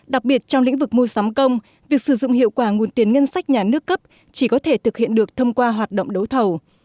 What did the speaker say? đặc biệt trong lĩnh vực mua sắm công việc sử dụng hiệu quả nguồn tiền ngân sách nhà nước cấp chỉ có thể thực hiện được thông qua hoạt động đấu thầu